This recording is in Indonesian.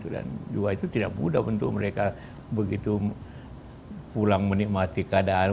dan juga itu tidak mudah untuk mereka begitu pulang menikmati keadaan